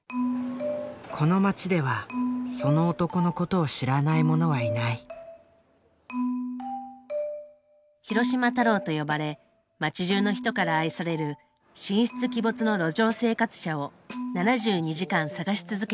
この町ではその男のことを知らない者はいない広島太郎と呼ばれ街じゅうの人から愛される神出鬼没の路上生活者を７２時間探し続けた回。